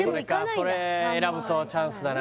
それ選ぶとチャンスだな